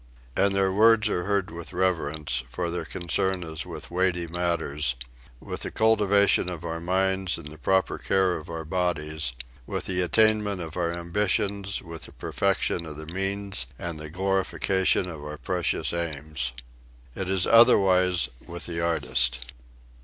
And their words are heard with reverence, for their concern is with weighty matters: with the cultivation of our minds and the proper care of our bodies, with the attainment of our ambitions, with the perfection of the means and the glorification of our precious aims. It is otherwise with the artist.